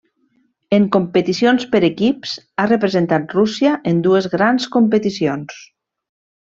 En competicions per equips, ha representat Rússia en dues grans competicions.